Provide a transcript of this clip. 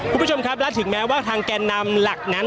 คุณผู้ชมครับและถึงแม้ว่าทางแก่นำหลักนั้น